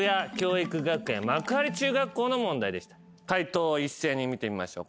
解答を一斉に見てみましょう。